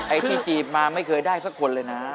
ไอจีจีบมาไม่เคยได้สักคนเลยนะ